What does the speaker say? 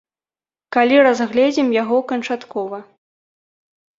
Калі разгледзім яго канчаткова!